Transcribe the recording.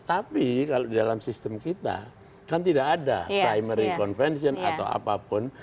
tapi kalau di dalam sistem kita kan tidak ada primary convention atau apapun